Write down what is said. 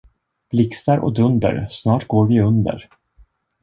Blixtar och dunder, snart går vi under.